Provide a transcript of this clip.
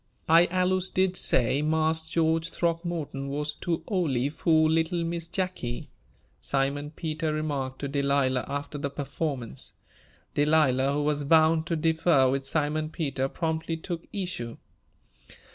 "I allus did say Marse George Throckmorton wuz too ole fur little Miss Jacky," Simon Peter remarked to Delilah, after the performance. Delilah, who was bound to differ with Simon Peter, promptly took issue.